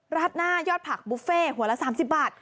ราดหน้ายอดผักบุฟเฟ่หัวละ๓๐บาท